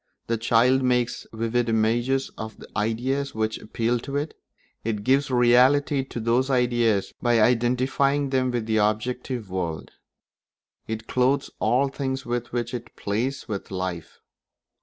The child makes vivid images of the ideas which appeal to it; it gives reality to those ideas by identifying them with the objective world; it clothes all things with which it plays with life.